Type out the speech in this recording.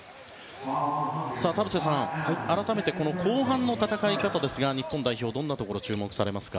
田臥さん、改めて後半の戦い方ですが日本代表のどんなところに注目されますか？